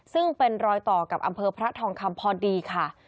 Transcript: ซึ่งเป็นรอยต่อกับอำเภอพระทองคำพอดีค่ะ